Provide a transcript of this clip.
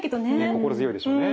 心強いでしょうね。